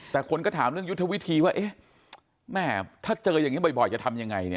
แต่คนก็ถามเรื่องยุทธวิธีว่าแม่ถ้าเจออย่างนี้บ่อยจะทำยังไง